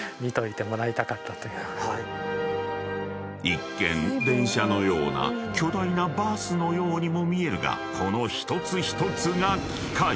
［一見電車のような巨大なバスのようにも見えるがこの一つ一つが機械］